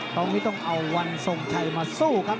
ตอนนี้ต้องเอาวันทรงชัยมาสู้ครับ